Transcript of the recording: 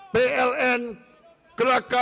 pln krakatau steel